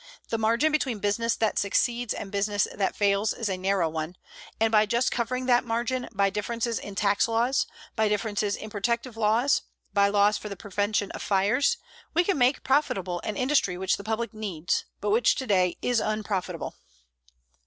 The margin between business that succeeds and business that fails is a narrow one, and by just covering that margin by differences in tax laws, by differences in protective laws, by laws for the prevention of fires, we can make profitable an industry which the public needs, but which today is unprofitable.